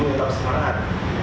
ibu tetap semangat